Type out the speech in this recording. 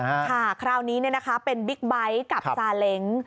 ค่ะคราวนี้เป็นบิ๊กไบท์กับซาเล็ง